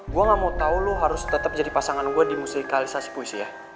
gue gak mau tau lo harus tetap jadi pasangan gue di musikalisasi puisi ya